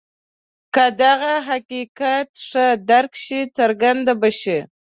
که دغه حقیقت ښه درک شي څرګنده به شي.